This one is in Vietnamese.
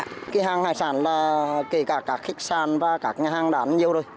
cái hàng hải sản là kể cả khách sạn và các nhà hàng đán nhiều rồi